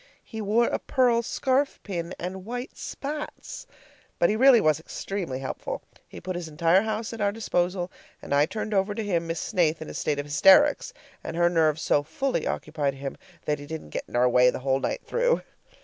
He wore a pearl scarf pin and white spats! But he really was extremely helpful. He put his entire house at our disposal, and I turned over to him Miss Snaith in a state of hysterics; and her nerves so fully occupied him that he didn't get in our way the whole night through.